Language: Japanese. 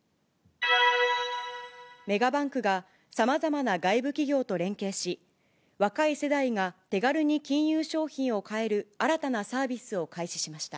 メガバンクがさまざまな外部企業と連携し、若い世代が手軽に金融商品を買える新たなサービスを開始しました。